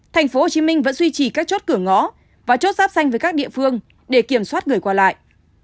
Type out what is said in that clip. tp hcm vẫn suy trì các chốt cửa ngõ và chốt sáp xanh với các địa phương để kiểm soát người qua lại